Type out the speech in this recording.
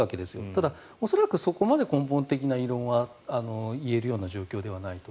ただ、恐らくそこまで根本的な異論は言えるような状況ではないと。